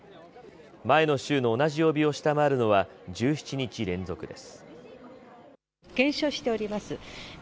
前の週の同じ曜日を下回るのは１７日連続です。